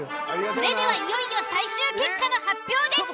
それではいよいよ最終結果の発表です。